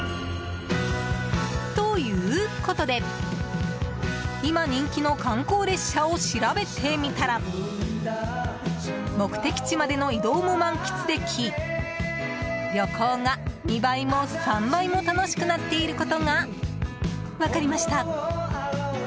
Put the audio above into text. ということで今人気の観光列車を調べてみたら目的地までの移動も満喫でき旅行が２倍も３倍も楽しくなっていることが分かりました。